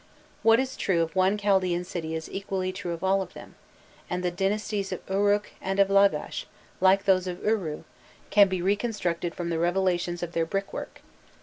What is true of one Chaldaean city is equally true of all of them, and the dynasties of Uruk and of Lagash, like those of Uru, can be reconstructed from the revelations of their brickwork.